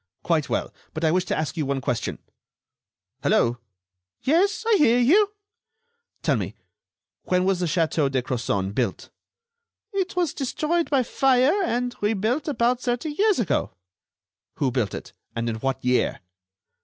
"Quite well, but I wish to ask you one question.... Hello!" "Yes, I hear you." "Tell me, when was the château de Crozon built?" "It was destroyed by fire and rebuilt about thirty years ago." "Who built it, and in what year?"